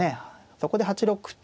そこで８六歩と。